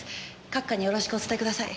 閣下によろしくお伝えください。